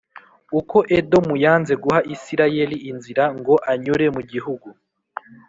uko Edomu yanze guha Isirayeli inzira ngo anyure mu gihugu